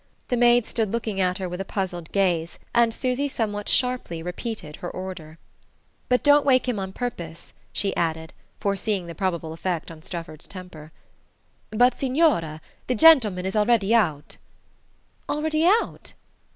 The maid stood looking at her with a puzzled gaze, and Susy somewhat sharply repeated her order. "But don't wake him on purpose," she added, foreseeing the probable effect on Strefford's temper. "But, signora, the gentleman is already out." "Already out?"